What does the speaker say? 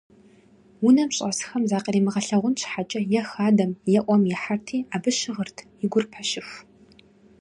Унэм щӀэсхэм закъримыгъэлъагъун щхьэкӀэ е хадэм, е Ӏуэм ихьэрти абы щыгъырт, и гур пэщыху.